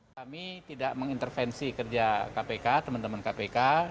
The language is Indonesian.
kami tidak mengintervensi kerja kpk teman teman kpk